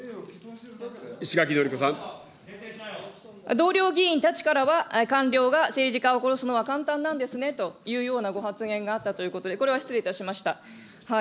同僚議員たちからは、官僚が政治家を殺すのは簡単なんですねというご発言があったということで、これは失礼いたしました。